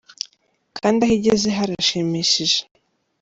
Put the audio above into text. kandi aho igeze harashimishije.